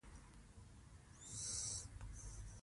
زه ارام یم ځکه چې ذهني فشار لږ دی.